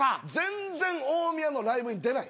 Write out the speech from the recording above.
全然大宮のライブに出ない。